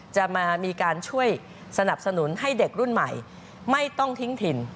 จะมามีการช่วยสนับสนุนให้เด็กรุ่นใหม่ไม่ต้องทิ้งถิ่น